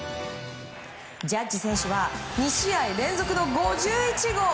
ジャッジ選手は２試合連続の５１号。